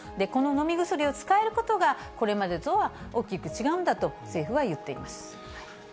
この飲み薬を使えることが、これまでとは大きく違うんだと政府は言っています。